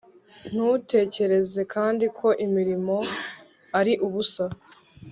ntutekereze kandi ko imirimo ari ubusa